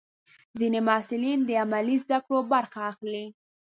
ځینې محصلین د عملي زده کړو برخه اخلي.